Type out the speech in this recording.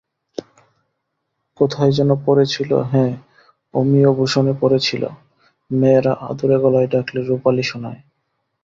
কোথায় যেন পড়েছিল, হ্যাঁ অমিয়ভূষণে পড়েছিল, মেয়েরা আদুরে গলায় ডাকলে রুপালি শোনায়।